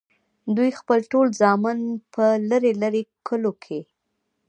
دوي خپل ټول زامن پۀ لرې لرې کلو کښې